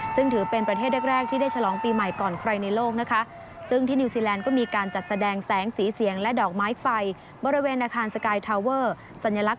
ซึ่งถือเป็นประเทศแรกที่ได้ฉลองปีใหม่ก่อนใครในโลกนะคะ